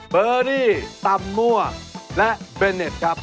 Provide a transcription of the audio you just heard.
เบอร์ดี้ตำมั่วและเบรเน็ตครับ